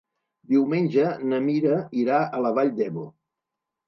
Diumenge na Mira irà a la Vall d'Ebo.